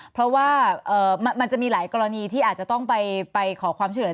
เพราะว่ามันจะมีหลายกรณีที่อาจจะต้องไปขอความช่วยเหลือ